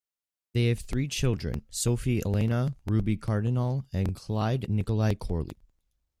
They have three children: Sophie Elena, Ruby Cardinahl and Clyde Nikolai Corley.